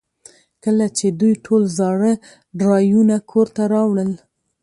کله چې دوی ټول زاړه ډرایوونه کور ته راوړل